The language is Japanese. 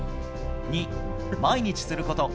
２、毎日すること。